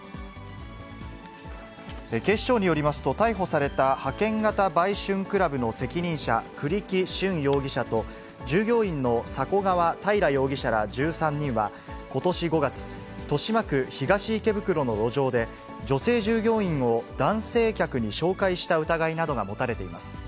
警視庁によりますと、逮捕された派遣型売春クラブの責任者、栗木駿容疑者と従業員のさこ川たいら容疑者ら１３人はことし５月、豊島区東池袋の路上で、女性従業員を男性客に紹介した疑いなどが持たれています。